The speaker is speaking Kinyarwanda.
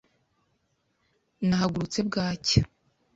Nahagurutse bwacya.